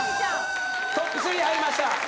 トップ３入りましたあ！